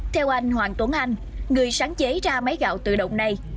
theo anh hoàng tuấn anh người sáng chế ra máy gạo tự động này